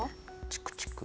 チクチク。